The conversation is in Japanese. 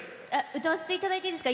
歌わせていただいていいですか？